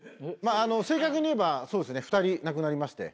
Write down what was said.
正確に言えばそうですね２人亡くなりまして。